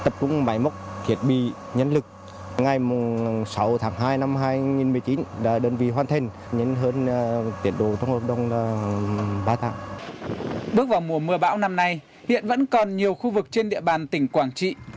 bước vào mùa mưa bão năm nay hiện vẫn còn nhiều khu vực trên địa bàn tỉnh quảng trị